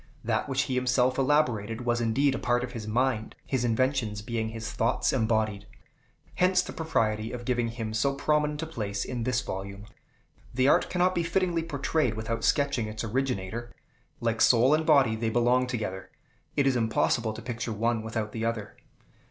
That which he himself elaborated, was indeed a part of his mind, his inventions being his thoughts embodied. Hence the propriety of giving him so prominent a place in this volume. The art cannot be fittingly portrayed without sketching its originator. Like soul and body, they belong together; it is impossible to picture one without the other.